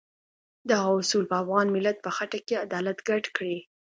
دغه اصول په افغان ملت په خټه کې عدالت ګډ کړی.